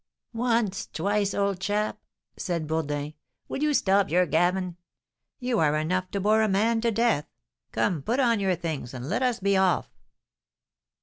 "Once, twice, old chap," said Bourdin, "will you stop your gammon? You are enough to bore a man to death. Come, put on your things, and let us be off."